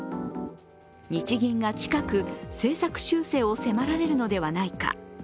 日銀が近く、政策修正を迫られるのではないか。